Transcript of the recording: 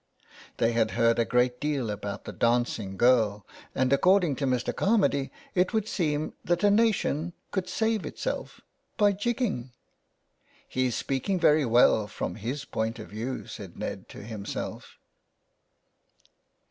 " They had heard a great deal about the dancing girl, and according to Mr. Carmady it would seem that a nation could save itself by jigging." " He is speaking very well, from his point of view," said Ned to himself.